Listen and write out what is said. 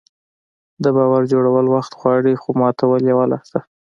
د باور جوړول وخت غواړي، خو ماتول یوه لحظه.